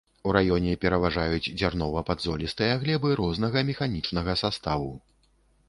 У раёне пераважаюць дзярнова-падзолістыя глебы рознага механічнага саставу.